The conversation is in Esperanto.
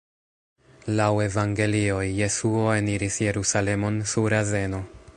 Laŭ Evangelioj, Jesuo eniris Jerusalemon sur azeno.